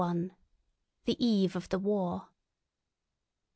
THE EVE OF THE WAR.